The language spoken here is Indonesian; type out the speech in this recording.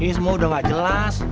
ini semua udah gak jelas